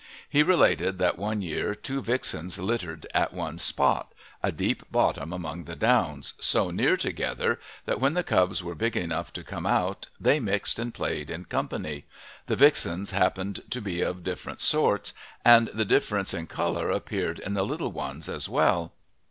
He related that one year two vixens littered at one spot, a deep bottom among the downs, so near together that when the cubs were big enough to come out they mixed and played in company; the vixens happened to be of the different sorts, and the difference in colour appeared in the little ones as well.